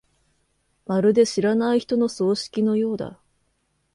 まるで知らない人の葬式のようだ。